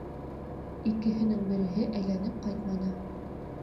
Икеһенең береһе әйләнеп ҡайтманы.